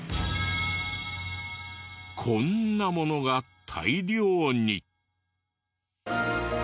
こんなものが大量に。